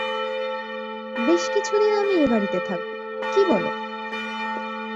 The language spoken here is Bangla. বেশ কিছুদিন আমি এ বাড়িতে থাকব, কি বল?